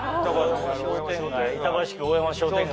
板橋区大山商店街